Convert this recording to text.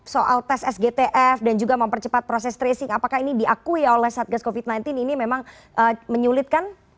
soal tes sgtf dan juga mempercepat proses tracing apakah ini diakui oleh satgas covid sembilan belas ini memang menyulitkan